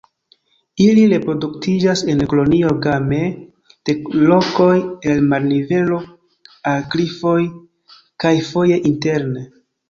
Ili reproduktiĝas en kolonioj game de lokoj el marnivelo al klifoj, kaj foje interne.